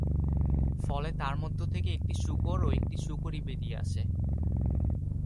ফলে তার মধ্য থেকে একটি শূকর ও একটি শূকরী বেরিয়ে আসে।